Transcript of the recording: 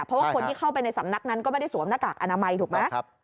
เพราะว่าคนที่เข้าไปในสำนักนั้นก็ไม่ได้สวมหน้ากากอนามัยถูกไหม